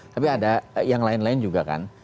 tapi ada yang lain lain juga kan